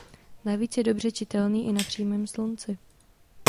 Navíc je dobře čitelný i na přímém slunci.